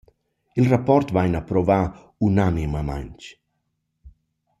Il rapport vain approvà unanimamaing.